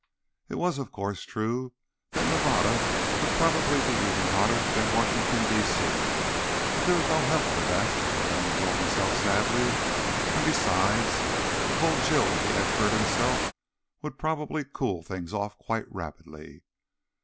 It was, of course, true that Nevada would probably be even hotter than Washington, D. C. But there was no help for that, Malone told himself sadly; and, besides, the cold chill of the expert himself would probably cool things off quite rapidly.